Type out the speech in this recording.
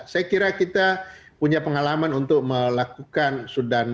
saya kira kita punya pengalaman untuk melakukan sudah